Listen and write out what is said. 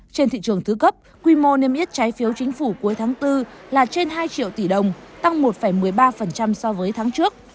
trên thị trường thứ cấp quy mô niêm yết trái phiếu chính phủ cuối tháng bốn là trên hai triệu tỷ đồng tăng một một mươi ba so với tháng trước